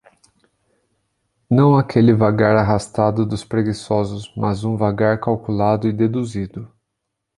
não aquele vagar arrastado dos preguiçosos, mas um vagar calculado e deduzido